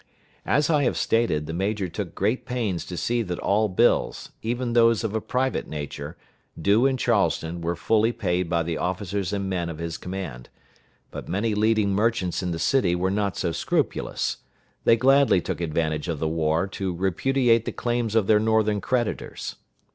As I have stated, the major took great pains to see that all bills, even those of a private nature, due in Charleston we're fully paid by the officers and men of his command; but many leading merchants in the city were not so scrupulous. They gladly took advantage of the war to repudiate the claims of their Northern creditors.